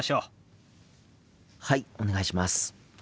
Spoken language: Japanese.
はいお願いします。